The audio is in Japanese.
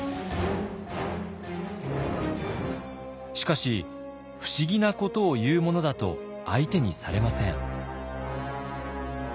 しかし不思議なことを言うものだと相手にされません。